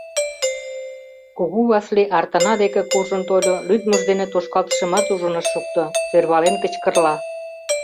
Кугу Васлий артана деке куржын тольо, лӱдмыж дене тошкалтышымат ужын ыш шукто, сӧрвален кычкырла: